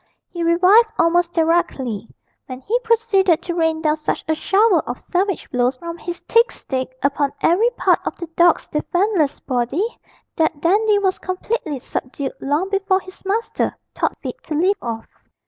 He revived almost directly, when he proceeded to rain down such a shower of savage blows from his thick stick upon every part of the dog's defenceless body, that Dandy was completely subdued long before his master thought fit to leave off.